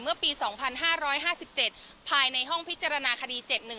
เมื่อปี๒๕๕๗ภายในห้องพิจารณาคดี๗๑